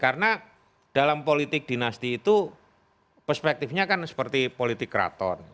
karena dalam politik dinasti itu perspektifnya kan seperti politik raton